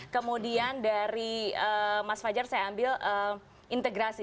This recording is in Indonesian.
kemudian dari mas fajar saya ambil integrasi